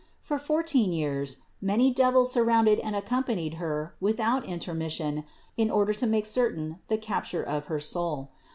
For fourteen years many devils sur rounded and accompanied her without intermission in order to make certain the capture of her soul.